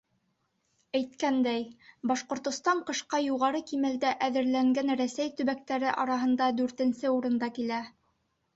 Әйткәндәй, Башҡортостан ҡышҡа юғары кимәлдә әҙерләнгән Рәсәй төбәктәре араһында дүртенсе урында килә.